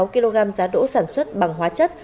một trăm năm mươi sáu kg giá đỗ sản xuất bằng hóa chất